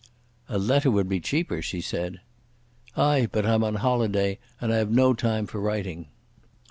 "A letter would be cheaper," she said. "Ay, but I'm on holiday and I've no time for writing."